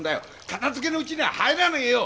片づけのうちには入らねえよ。